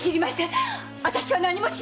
あたしは何も知りません！